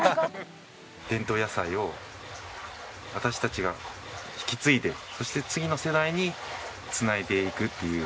伝統野菜を私たちが引き継いでそして次の世代に繋いでいくっていう。